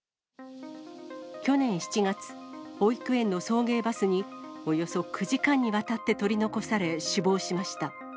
去年７月、保育園の送迎バスにおよそ９時間にわたって取り残され死亡しました。